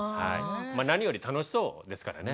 何より楽しそうですからね。